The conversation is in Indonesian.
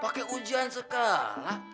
pakai ujian sekolah